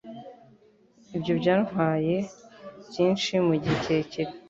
Ibyo byantwaye byinshi mugihe kirekire